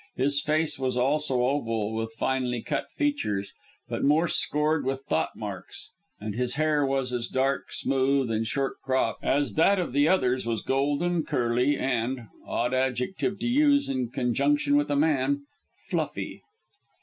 His face was also oval, with finely cut features, but more scored with thought marks; and his hair was as dark, smooth, and short cropped as that of the other's was golden, curly, and odd adjective to use in connection with a man fluffy.